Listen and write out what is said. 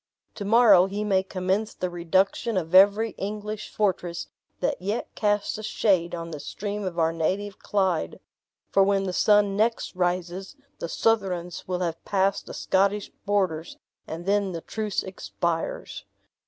To morrow he may commence the reduction of every English fortress that yet casts a shade on the stream of our native Clyde; for when the sun next rises, the Southrons will have passed the Scottish borders and then the truce expires."